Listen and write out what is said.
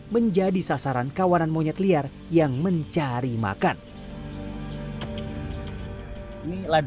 menjadi sasaran kawanan monyet liar yang mencari makan ini ladang ketela milik warga yang ada di